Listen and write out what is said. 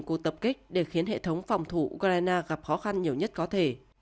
nga đã bắn hạ tầng năng lượng ở miền tây nước này và khiến hệ thống phòng thủ ukraine gặp khó khăn nhiều nhất có thể